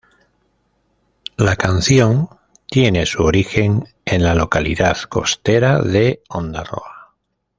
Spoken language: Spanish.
La canción tiene su origen en la localidad costera de Ondarroa.